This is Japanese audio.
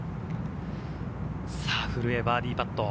古江のバーディーパット。